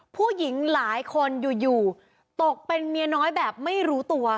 ผู้หญิงหลายคนอยู่ตกเป็นเมียน้อยแบบไม่รู้ตัว